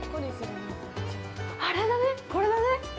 あれだね、これだね。